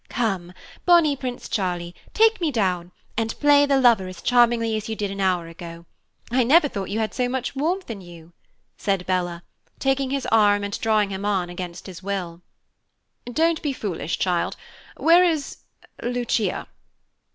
"Come, bonny Prince Charlie, take me down, and play the lover as charmingly as you did an hour ago. I never thought you had so much warmth in you," said Bella, taking his arm and drawing him on against his will. "Don't be foolish, child. Where is Lucia?"